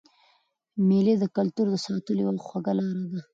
مېلې د کلتور د ساتلو یوه خوږه لار ده.